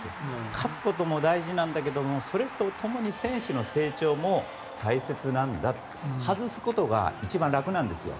勝つことも大事なんだけどもそれとともに選手の成長も大切なんだ外すことが一番楽なんですよ